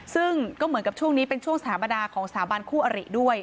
ซึ่งก็เหมือนกับช่วงนี้เป็นช่วงสถาปนาของสถาบันคู่อริด้วย